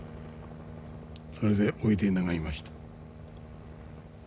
それでおいで願いました。